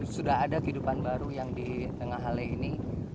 sudah ada kehidupan baru yang di tengah hali ini